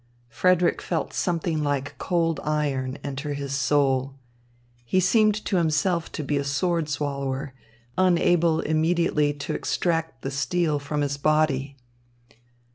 Frederick felt something like cold iron enter his soul. He seemed to himself to be a sword swallower unable immediately to extract the steel from his body.